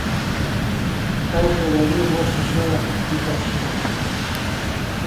Tay se video bo shishoyak eta shiaw